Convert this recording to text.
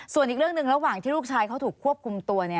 ส่วนอีกเรื่องหนึ่งระหว่างที่ลูกชายเขาถูกควบคุมตัว